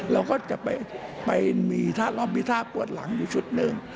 เราก็จะไปมีท่ารอบมีท่าปวดหลังอยู่ชุดหนึ่ง